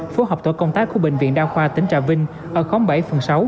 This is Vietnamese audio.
phố học tổ công tác của bệnh viện đao khoa tp trà vinh ở khóm bảy phường sáu